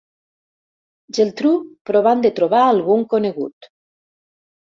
Geltrú, provant de trobar algun conegut.